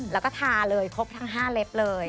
แล้วก็ทาเลยครบทั้ง๕เล็บเลย